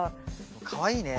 かわいいね。